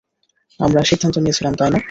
আমরা সিদ্ধান্ত নিয়েছিলাম, তাই না?